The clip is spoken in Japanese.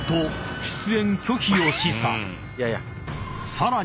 ［さらに］